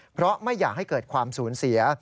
เพราะไม่อยากให้เกิดความสูญเสีย